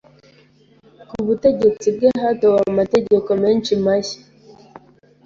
Ku butegetsi bwe hatowe amategeko menshi mashya.